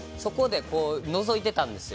のぞいてたんですよ。